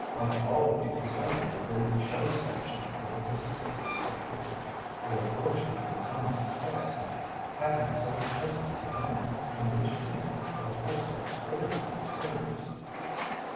"Wantabalree is certainly the show station of the district," said Hubert. "You were fortunate in some respects in having so pleasant a home in which to make your first Australian experiences."